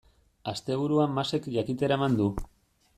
Asteburuan Masek jakitera eman du.